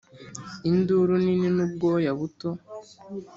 induru nini n'ubwoya buto.